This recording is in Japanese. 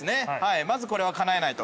まずこれはかなえないと。